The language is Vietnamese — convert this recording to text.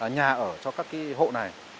nhà ở cho các hộ này